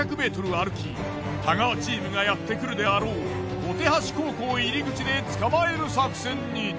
歩き太川チームがやってくるであろう犢橋高校入口で捕まえる作戦に。